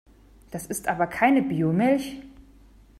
Das ist aber keine Biomilch!